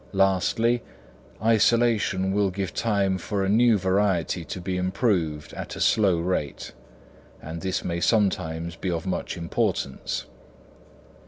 Lastly, isolation will give time for a new variety to be improved at a slow rate; and this may sometimes be of much importance.